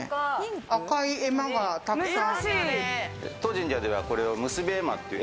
赤い絵馬がたくさん。